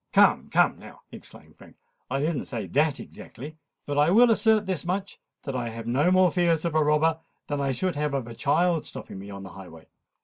"Come, come now," exclaimed Frank: "I don't say that exactly. But I will assert this much—that I have no more fears of a robber than I should have of a child's stopping me on the highway."